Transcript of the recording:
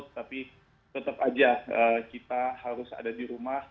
tetapi tetap saja kita harus ada di rumah